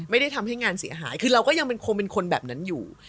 ไม่ได้ทำให้งานเสียหายคือเราก็ยังคงเป็นคนแบบนั้นอยู่